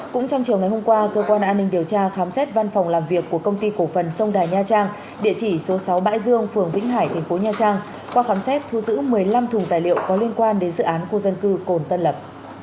cũng trong chiều ngày hôm qua cơ quan an ninh điều tra khám xét văn phòng làm việc của công ty cổ phần sông đà nha trang địa chỉ số sáu bãi dương phường vĩnh hải tp nha trang qua khám xét thu giữ một mươi năm thùng tài liệu có liên quan đến dự án khu dân cư cồn tân lập